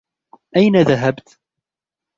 أين ذهبت؟